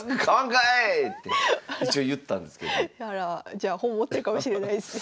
じゃあ本持ってるかもしれないですね。